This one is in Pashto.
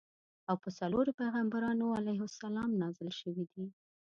او په څلورو پیغمبرانو علیهم السلام نازل شویدي.